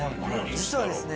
実はですね